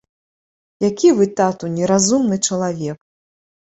Які вы, тату, неразумны чалавек.